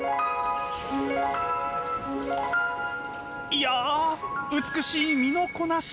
いや美しい身のこなし！